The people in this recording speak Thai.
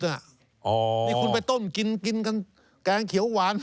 นี่คุณไปต้มกินแกงเขียวหวาน